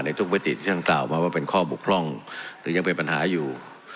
ทุกมิติที่ท่านกล่าวมาว่าเป็นข้อบกพร่องหรือยังเป็นปัญหาอยู่